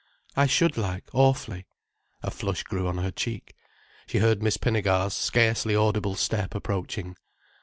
"I should like awfully—" a flush grew on her cheek. She heard Miss Pinnegar's scarcely audible step approaching.